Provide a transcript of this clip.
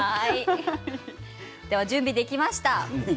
準備できました。